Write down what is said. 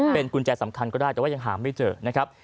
เป็นกุญแจสำคัญก็ได้แต่ว่ายังหาไม่เจอนะครับ